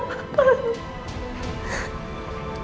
cucu yang kita tunggu tunggu sayang